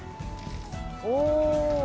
お！